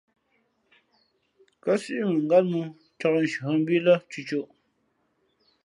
Kάsʉ̄ʼ mαngát mōō, cāk nshi hᾱ mbū î lά cʉ̌côʼ.